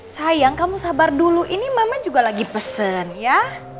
sayang kamu sabar dulu ini mama juga lagi pesen ya